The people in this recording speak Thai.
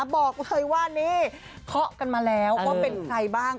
บอกเลยว่านี่เคาะกันมาแล้วว่าเป็นใครบ้าง